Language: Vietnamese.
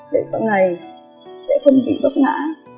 để sau này sẽ không bị bất ngã